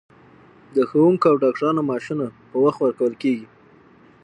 د ښوونکو او ډاکټرانو معاشونه په وخت ورکول کیږي.